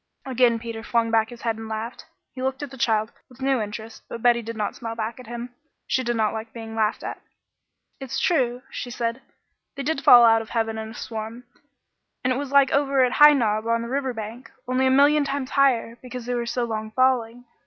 Again Peter flung back his head and laughed. He looked at the child with new interest, but Betty did not smile back at him. She did not like being laughed at. "It's true," she said; "they did fall out of heaven in a swarm, and it was like over at High Knob on the river bank, only a million times higher, because they were so long falling.